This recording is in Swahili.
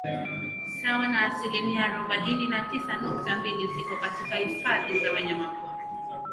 sawa na asilimia arobaini na tisa nukta mbili ziko katika Hifadhi za wanyamapori